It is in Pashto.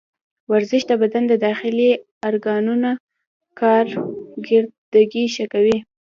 ورزش د بدن د داخلي ارګانونو کارکردګي ښه کوي.